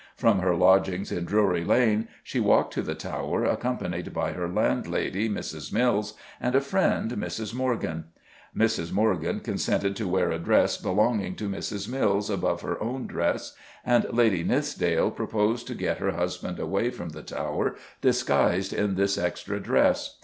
From her lodgings in Drury Lane she walked to the Tower, accompanied by her landlady, Mrs. Mills, and a friend, Mrs. Morgan. Mrs. Morgan consented to wear a dress belonging to Mrs. Mills above her own dress, and Lady Nithsdale proposed to get her husband away from the Tower disguised in this extra dress.